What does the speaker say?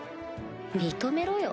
認めろよ。